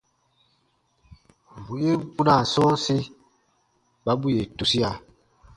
Bù yen kpunaa sɔ̃ɔsi kpa bù yè tusia.